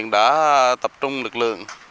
đã tập trung lực lượng